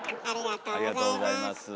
ありがとうございます。